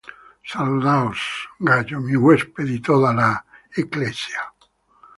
Salúdaos Gayo, mi huésped, y de toda la iglesia.